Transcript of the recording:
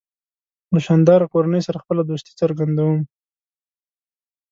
له شانداره کورنۍ سره خپله دوستي څرګندوم.